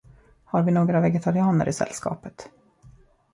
Har vi några vegetarianer i sällskapet?